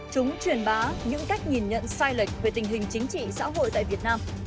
chúng truyền bá những cách nhìn nhận sai lệch về tình hình chính trị xã hội tại việt nam